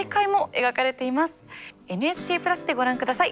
「ＮＨＫプラス」でご覧下さい。